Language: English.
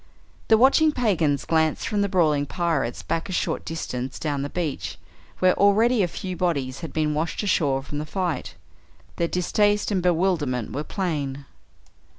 The watching pagans glanced from the brawling pirates back a short distance down the beach where already a few bodies had been washed ashore from the fight. Their distaste and bewilderment were plain.